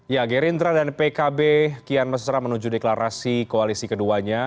ya gerindra dan pkb kian mesra menuju deklarasi koalisi keduanya